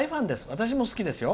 私も好きですよ。